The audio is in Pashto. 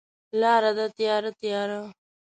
لاره ده تیاره، تیاره